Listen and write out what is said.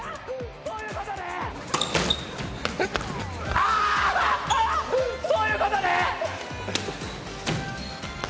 ああ、そういうことね！